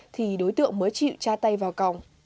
thì đối tượng mới chịu tra tay vào cỏ